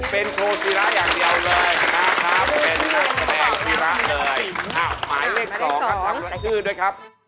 เป็นโชว์ศิลัทย์อย่างเดียวเลยค่ะ